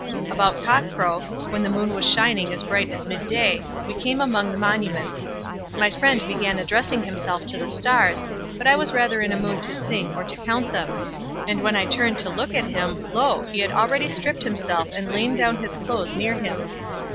About cock crow, when the moon was shining as bright as mid day, we came among the monuments. My friend began addressing himself to the stars, but I was rather in a mood to sing or to count them; and when I turned to look at him, lo! he had already stripped himself and laid down his clothes near him.